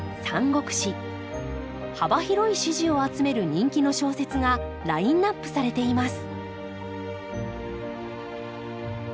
幅広い支持を集める人気の小説がラインナップされています